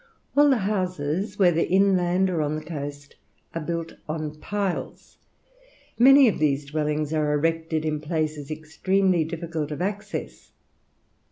All the houses, whether inland or on the coast, are built on piles. Many of these dwellings are erected in places extremely difficult of access.